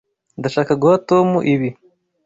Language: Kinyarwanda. Ndashaka guha Tom ibi.